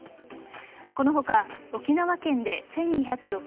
この他、沖縄県で１２６８人